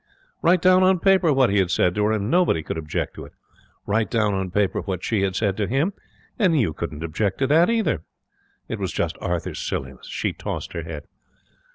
Write down on paper what he had said to her, and nobody could object to it. Write down on paper what she had said to him, and you couldn't object to that either. It was just Arthur's silliness. She tossed her head.